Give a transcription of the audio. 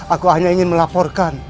aku hanya ingin melaporkan